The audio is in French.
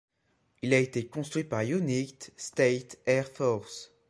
Il a été construit par la United States Air Force.